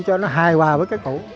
cho nó hài hòa với cái cũ